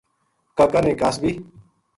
کا کا نے کا صبی